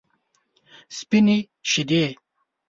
سپینې شیدې.